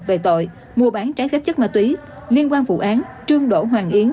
về tội mua bán trái phép chất ma túy liên quan vụ án trương đỗ hoàng yến